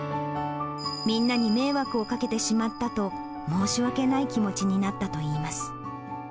みんなに迷惑をかけてしまったと、申し訳ない気持ちになったといいます。